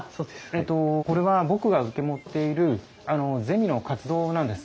えっとこれは僕が受け持っているゼミの活動なんです。